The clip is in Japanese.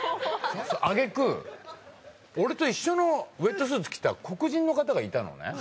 あげく俺と一緒のウエットスーツを着た黒人の方がいたのね。